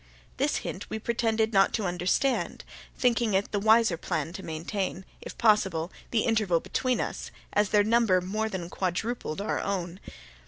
This hint we pretended not to understand, thinking it the wiser plan to maintain, if possible, the interval between us, as their number more than quadrupled our own.